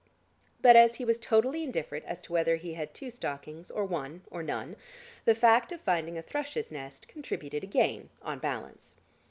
But as he was totally indifferent as to whether he had two stockings or one or none, the fact of finding a thrush's nest contributed a gain on balance.